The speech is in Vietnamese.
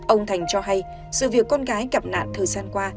ông thành cho hay sự việc con gái gặp nạn thời gian qua